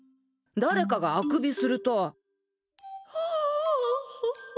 誰かがあくびすると。